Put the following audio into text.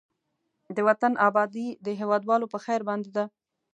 د وطن آبادي د هېوادوالو په خير باندې ده.